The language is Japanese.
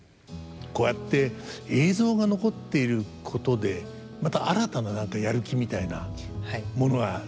こうやって映像が残っていることでまた新たな何かやる気みたいなものが出てきますよね。